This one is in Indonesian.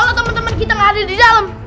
kalau temen temen kita gak ada di dalam